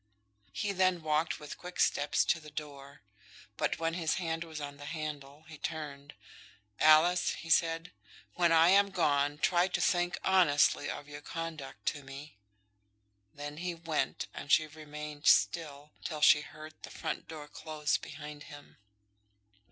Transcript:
He then walked with quick steps to the door; but when his hand was on the handle, he turned. "Alice," he said, "when I am gone, try to think honestly of your conduct to me." Then he went, and she remained still, till she heard the front door close behind him.